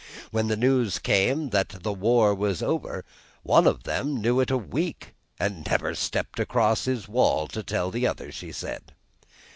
"When the news come that the war was over, one of 'em knew it a week, and never stepped across his wall to tell the other," she said.